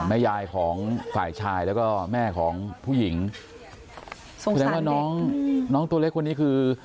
แม่ยายของฝ่ายชายแล้วก็แม่ของผู้หญิงแสดงว่าน้องน้องตัวเล็กคนนี้คือ